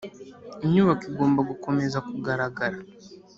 inyubako igomba gukomeza kugaragara